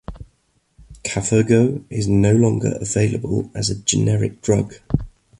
Cafergot is no longer available as a generic drug.